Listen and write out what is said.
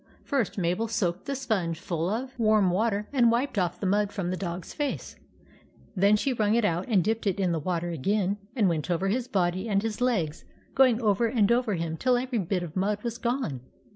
First, Mabel soaked the sponge full of 44 THE ADVENTURES OF MABEL warm water and wiped off the mud from the dog's face ; then she wrung it out and dipped it in the water again and went over his body and his legs, going over and over him till every bit of mud was gone.